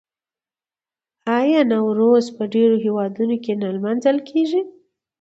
آیا نوروز په ډیرو هیوادونو کې نه لمانځل کیږي؟